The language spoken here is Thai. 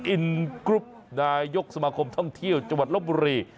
อินกรุ๊ปนายกสมาคมท่องเที่ยวจังหวัดลบบุรี